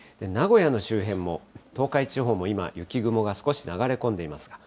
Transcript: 名古屋の周辺も東海地方も今、雪雲が少し流れ込んでいます。